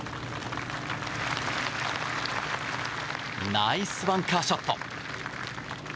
ナイスバンカーショット！